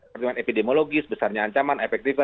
pertimbangan epidemiologis besarnya ancaman efektif